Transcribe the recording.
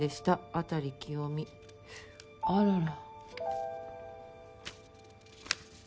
「辺清美」あらら。